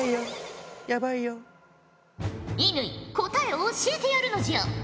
乾答えを教えてやるのじゃ。